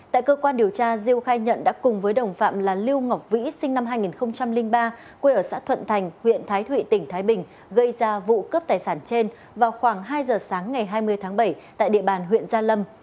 tại cơ quan điều tra diêu khai nhận đã cùng với đồng phạm là lưu ngọc vĩ sinh năm hai nghìn ba quê ở xã thuận thành huyện thái thụy tỉnh thái bình gây ra vụ cướp tài sản trên vào khoảng hai giờ sáng ngày hai mươi tháng bảy tại địa bàn huyện gia lâm